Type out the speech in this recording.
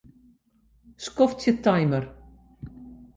Skoftsje timer.